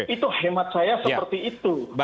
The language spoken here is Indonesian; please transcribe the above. itu hemat saya seperti itu